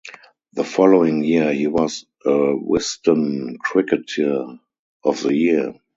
The following year he was a Wisden Cricketer of the Year.